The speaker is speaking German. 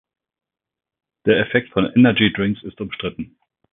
Der Effekt von Energydrinks ist umstritten.